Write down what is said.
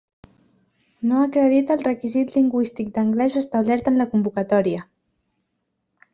No acredita el requisit lingüístic d'anglès establert en la convocatòria.